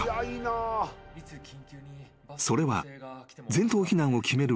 ［それは全島避難を決める